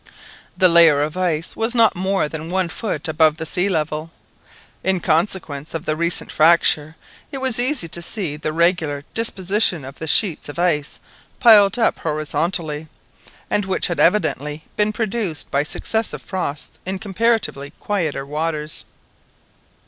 This layer of ice was not more than one foot above the sea level. In consequence of the recent fracture, it was easy to see the regular disposition of the sheets of ice piled up horizontally, and which had evidently been produced by successive frosts in comparatively quieter waters.